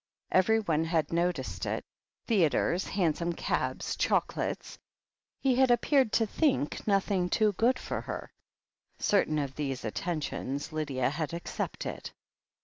Everyone had noticed it. Theatres, hansom cabs, chocolates — ^he had ap peared to think nothing too good for her. Certain of these attentions Lydia had accepted.